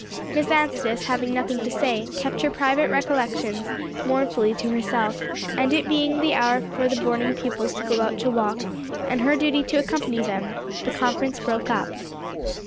Miss Anstice, having nothing to say, kept her private reflections mournfully to herself; and it being the hour for the boarding pupils to go out to walk, and her duty to accompany them, the conference broke up.